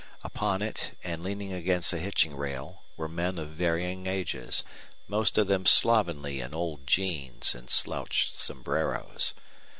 Upon it, and leaning against a hitching rail, were men of varying ages, most of them slovenly in old jeans and slouched sombreros.